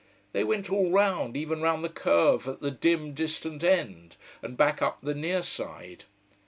They went all round, even round the curve at the dim, distant end, and back up the near side.